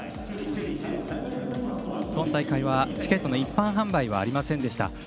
今大会はチケットの一般販売はありませんでした。